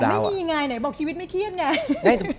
ไหนบอกไม่มีไงบอกชีวิตไม่เครียดไง